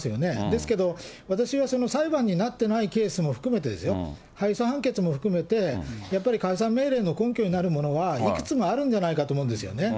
ですけど、私は裁判になっていないケースも含めでですよ、敗訴判決も含めて、やっぱり解散命令の根拠になるようなものはいくつもあるんじゃないかと思うんですよね。